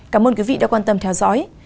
cảm ơn quý vị đã quan tâm theo dõi